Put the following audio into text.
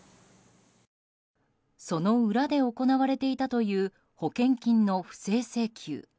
その裏で行われていたという保険金の不正請求。